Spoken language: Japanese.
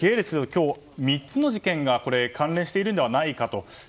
今日３つの事件が関連しているのではないかと。